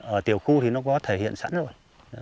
ở tiểu khu thì nó có thể hiện sẵn rồi